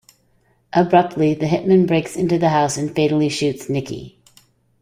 Abruptly, the hitman breaks into the house and fatally shoots Nicki.